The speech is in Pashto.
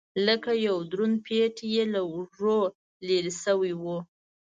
لکه یو دروند پېټی یې له اوږو لرې شوی و.